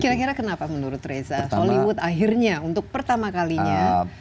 kira kira kenapa menurut reza hollywood akhirnya untuk pertama kalinya